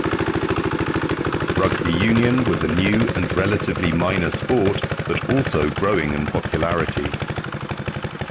Rugby union was a new and relatively minor sport, but also growing in popularity.